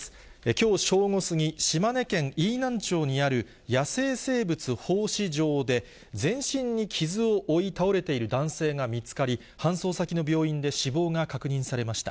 きょう正午過ぎ、島根県飯南町にある、野生生物放飼場で、全身に傷を負い、倒れている男性が見つかり、搬送先の病院で死亡が確認されました。